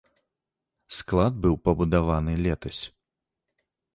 Склад быў пабудаваны летась.